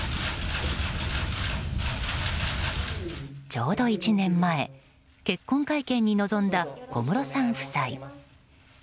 ちょうど１年前結婚会見に臨んだ小室さん夫妻。